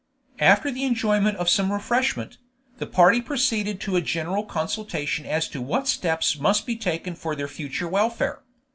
After the enjoyment of some refreshment, the party proceeded to a general consultation as to what steps must be taken for their future welfare.